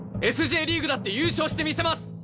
Ｓ／Ｊリーグだって優勝してみせます！